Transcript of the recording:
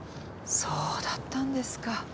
そうだったんですか。